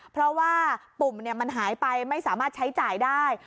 เพราะว่าปุ่มมันหายไปไม่สามารถใช้จ่ายได้